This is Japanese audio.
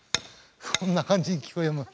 こんな感じに聞こえます。